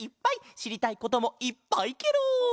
しりたいこともいっぱいケロ！